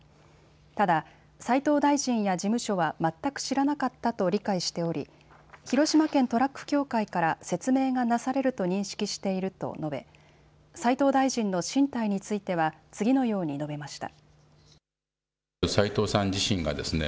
ただ斉藤大臣や事務所は全く知らなかったと理解しており広島県トラック協会から説明がなされると認識していると述べ斉藤大臣の進退については次のように述べました。